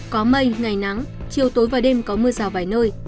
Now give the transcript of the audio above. có mây ngày nắng chiều tối và đêm có mưa rào vài nơi